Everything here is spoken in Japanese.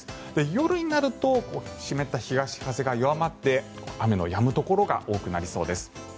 夜になると湿った東風が弱まって雨のやむところが多くなりそうです。